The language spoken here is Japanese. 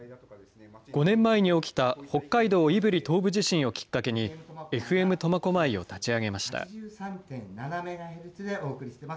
５年前に起きた北海道胆振東部地震をきっかけに、ＦＭとまこまいを立ち上げました。